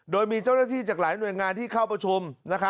โดยมีเจ้าหน้าที่จากหลายหน่วยงานที่เข้าประชุม